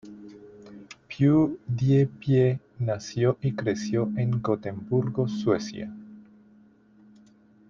PewDiePie nació y creció en Gotemburgo, Suecia.